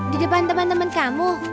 di depan teman teman kamu